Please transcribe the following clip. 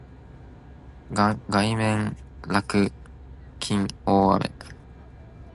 外面落緊大雨呀